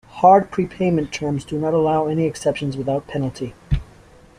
"Hard" prepayment terms do not allow any exceptions without penalty.